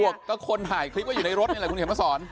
คนถ่ายคลิปก็อยู่ในรถนี่แหละคุณเห็นมาสอน